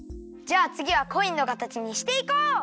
じゃあつぎはコインのかたちにしていこう！